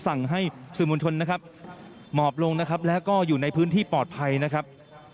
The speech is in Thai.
สั่งให้สื่อมวลชนนะครับหมอบลงนะครับแล้วก็อยู่ในพื้นที่ปลอดภัยนะครับ